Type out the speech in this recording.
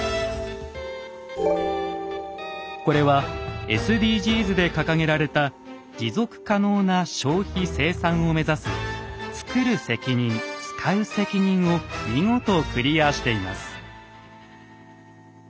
これはＳＤＧｓで掲げられた持続可能な消費・生産を目指す「つくる責任つかう責任」を見事クリアしています。